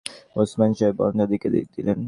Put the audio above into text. ওসমান সাহেব বারান্দায় উঁকি দিলেন।